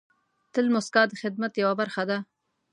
تل موسکا د خدمت یوه برخه ده.